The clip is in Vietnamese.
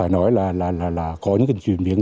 nói là có những chuyên truyền biến